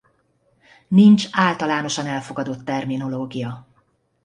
Nincs általánosan elfogadott terminológia.